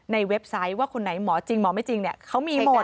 เว็บไซต์ว่าคนไหนหมอจริงหมอไม่จริงเนี่ยเขามีหมด